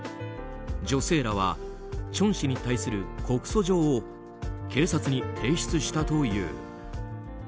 女性らはチョン氏に対する告訴状を警察に提出したという。